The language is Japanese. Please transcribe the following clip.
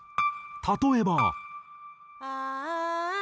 例えば。